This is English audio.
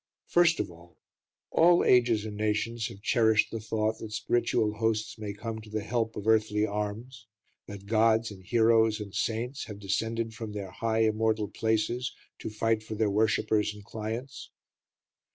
First of all, all ages and nations have cherished the thought that spiritual hosts may come to the help of earthly arms, that gods and heroes and saints have descended from their high immortal places to fight for their worshippers and clients.